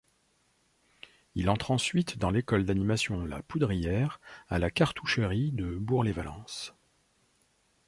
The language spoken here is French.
Il entre ensuite dans l'école d'animation La Poudrière, à la Cartoucherie de Bourg-lès-Valence.